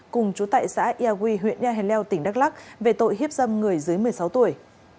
cùng chú tệ xã ia huy huyện nha hèn leo tỉnh đắk lắc về tội hiếp dâm người dưới một mươi sáu tuổi